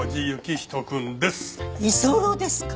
居候ですか？